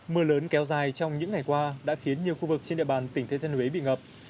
mưa lớn kéo dài trong những ngày qua đã khiến nhiều khu vực trên địa bàn tỉnh thừa thiên huế bị ngập